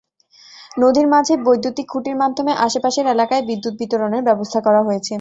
নদীর মাঝে বৈদ্যুতিক খুঁটির মাধ্যমে আশপাশের এলাকায় বিদ্যুৎ বিতরণের ব্যবস্থা করা হয়েছে।